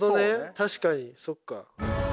確かにそっか。